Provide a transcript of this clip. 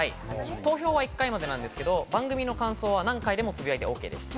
投票は１回までなんですけど、番組の感想は何回でもつぶやいてＯＫです。